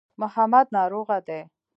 محمد ناروغه دی.